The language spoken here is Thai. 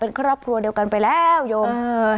เป็นครอบครัวเดียวกันไปแล้วยม